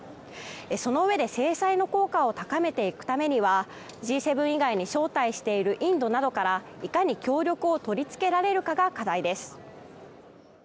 そのうえで制裁の効果を高めていくためにはＧ７以外に招待しているインドなどからいかに協力をとりつけられるかが課題です。